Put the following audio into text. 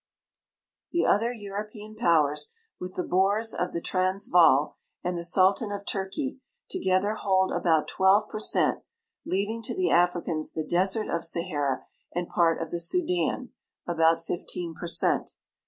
The other European poAvers, with the Boers of the Trans vaal and the sultan of Turkey, together hold about twelve per cent, leaving to the Africans the desert of Sahara and part of the Sudan, about fifteen per cent.